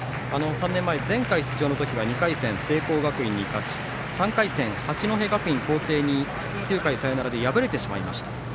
３年前、前回出場の時は２回戦、聖光学院に勝ち３回戦、八戸学院光星に９回サヨナラで敗れてしまいました。